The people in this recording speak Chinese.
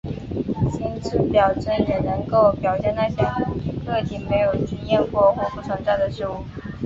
心智表征也能够表现那些个体没有经验过或不存在的事物。